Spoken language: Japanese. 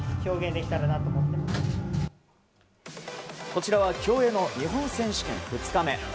こちらは競泳の日本選手権２日目。